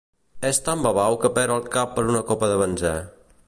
És tan babau que perd el cap per una copa de benzè.